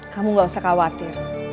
kamu nggak usah khawatir